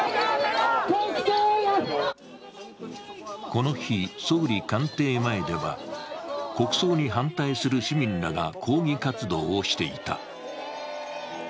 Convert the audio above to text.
この日、総理官邸前では、国葬に反対する市民らが抗議活動をしていた。